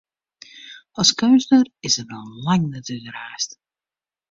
As keunstner is er noch lang net útraasd.